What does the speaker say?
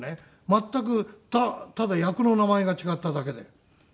全くただ役の名前が違っただけで。